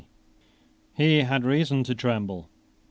] He had reason to tremble.